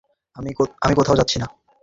আমি কোথাও যাচ্ছি না!